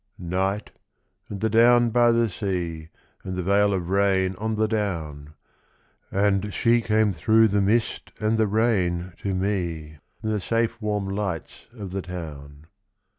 NIGHT, and the down by the sea, And the veil of rain on the down; And she came through the mist and the rain to me From the safe warm lights of the town.